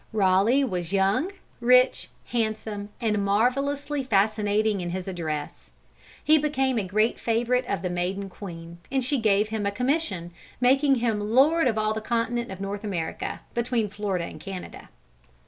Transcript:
Raleigh was young, rich, handsome and marvelously fascinating in his address. He became a great favorite of the maiden queen, and she gave him a commission, making him lord of all the continent of North America, between Florida and Canada.